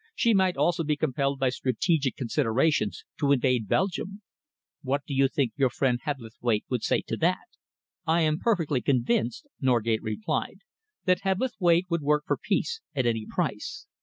She might also be compelled by strategic considerations to invade Belgium. What do you think your friend Hebblethwaite would say to that?" "I am perfectly convinced," Norgate replied, "that Hebblethwaite would work for peace at any price.